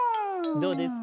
どうですか？